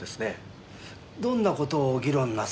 どんな事を議論なさってたんですか？